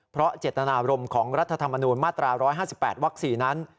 เพราะเจตนารมณ์ของรัฐธรรมนูญมาตรา๑๕๘วัก๔นั้น